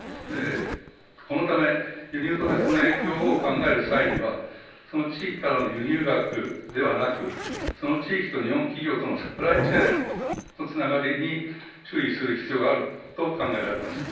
このため、輸入途絶の影響を考える際には、その地域からの輸入額ではなく、その地域と日本企業とのサプライチェーンのつながりに注意する必要があると考えられます。